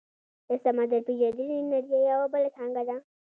د سمندر پیژندنې انجنیری یوه بله څانګه ده.